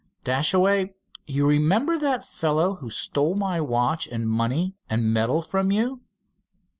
Dashaway, you remember that fellow who stole my watch and money and medal from you?"